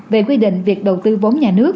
về quy định việc đầu tư vốn nhà nước